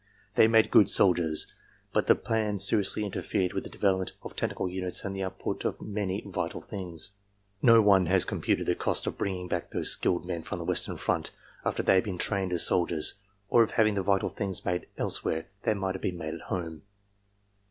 They made good soldiers, but the plan seriously interfered with the development of technical units and the ' output of many vital things.' "No one has computed the cost of bringing back those skilled men from the Western Front after they had been trained as soldiers, or of having the vital things made elsewhere that might have been made at home.